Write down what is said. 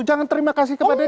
jangan terima kasih kepada dia